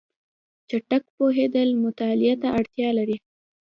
چټک پوهېدل مطالعه ته اړتیا لري.